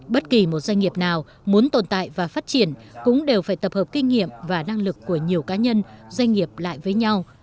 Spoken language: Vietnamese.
bất kỳ một doanh nghiệp nào muốn tồn tại và phát triển cũng đều phải tập hợp kinh nghiệm và năng lực của nhiều cá nhân doanh nghiệp lại với nhau